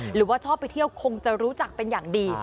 หรือว่าชอบไปเที่ยวคงจะรู้จักเป็นอย่างดี